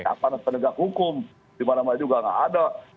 cepat penegak hukum di mana mana juga tidak ada